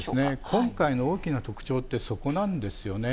今回の大きな特徴って、そこなんですよね。